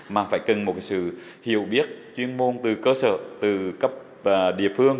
mà phải cần một sự hiểu biết chuyên môn từ cơ sở từ cấp địa phương